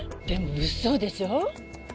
でも物騒でしょ？